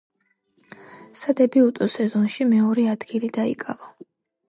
სადებიუტო სეზონში მეორე ადგილი დაიკავა.